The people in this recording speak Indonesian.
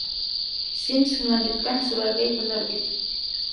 Sims melanjutkan sebagai penerbit.